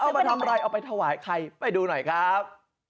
เอาไปทำอะไรเอาไปถวายใครไปดูหน่อยครับ